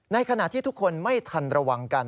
ในขณะที่ทุกคนไม่ทันระวังกัน